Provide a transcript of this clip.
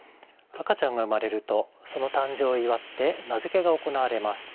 赤ちゃんが産まれるとその誕生を祝って名付けが行われます。